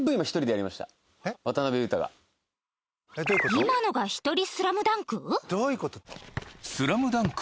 今のがひとりスラムダンク？